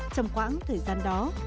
trong khoảng thời gian đó